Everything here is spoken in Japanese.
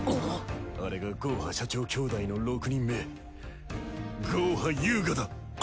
あれがゴーハ社長兄弟の６人目ゴーハ・ユウガだ。